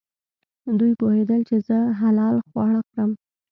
دوی پوهېدل چې زه حلال خواړه خورم.